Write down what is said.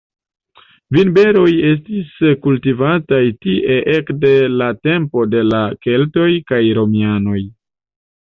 Vinberoj estis kultivataj tie ekde la tempo de la keltoj kaj Romianoj.